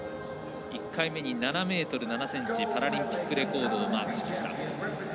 １回目に７ｍ７ｃｍパラリンピックレコードをマークしました。